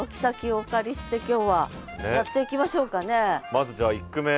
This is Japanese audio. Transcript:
まずじゃあ１句目。